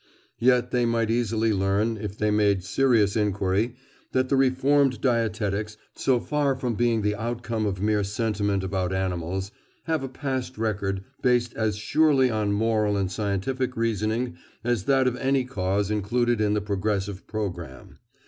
Yet they might easily learn, if they made serious inquiry, that the reformed dietetics, so far from being the outcome of mere sentiment about animals, have a past record based as surely on moral and scientific reasoning as that of any cause included in the progressive programme.